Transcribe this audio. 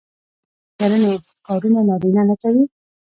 آیا د کرنې کارونه نارینه نه کوي؟